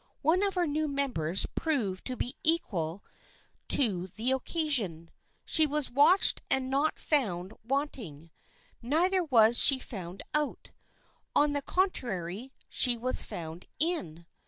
One of oup new members proved to be equal to THE FRIENDSHIP OF ANNE 97 the occasion. She was watched and not found wanting. Neither was she found out On the contrary, she was found in.